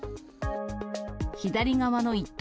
左側の一等